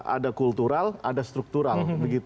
ada kultural ada struktural